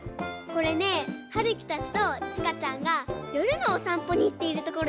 これねはるきたちとちかちゃんがよるのおさんぽにいっているところです。